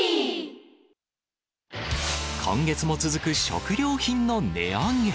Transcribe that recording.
今月も続く食料品の値上げ。